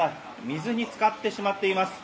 水に浸かってしまっています。